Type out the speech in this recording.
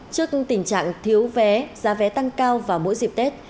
trước tình trạng thiếu vé giá vé tăng cao vào mỗi dịp tết